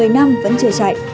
một mươi năm vẫn chưa chạy